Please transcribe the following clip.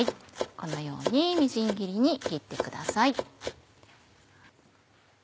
このようにみじん切りに切ってください。